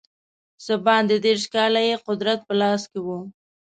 څه باندې دېرش کاله یې قدرت په لاس کې وو.